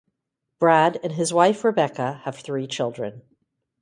Brad and his wife, Rebecca, have three children.